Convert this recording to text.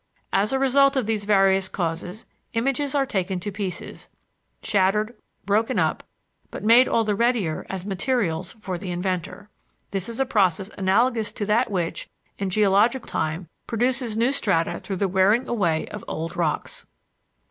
As a result of these various causes, images are taken to pieces, shattered, broken up, but made all the readier as materials for the inventor. This is a process analogous to that which, in geologic time, produces new strata through the wearing away of old rocks.